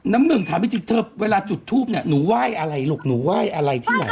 น้ำหนึ่งถามจริงเธอเวลาจุดทูปเนี่ยหนูไหว้อะไรลูกหนูไหว้อะไรที่ไหน